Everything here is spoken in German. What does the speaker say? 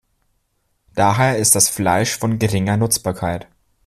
Daher ist das Fleisch von geringer Nutzbarkeit.